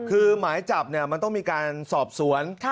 คือหมายจับมันต้องมีการสอบสวน